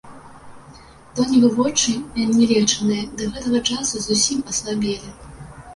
Тоневы вочы, не лечаныя да гэтага часу, зусім аслабелі.